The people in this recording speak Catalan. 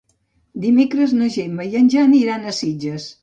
Dimecres na Gemma i en Jan iran a Sitges.